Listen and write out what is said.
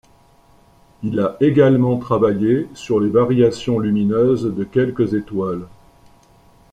Il a également travaillé sur les variations lumineuses de quelques étoiles.